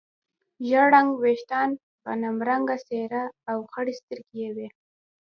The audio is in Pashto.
ژړ رنګه وریښتان، غنم رنګه څېره او خړې سترګې یې وې.